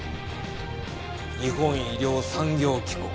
日本医療産業機構。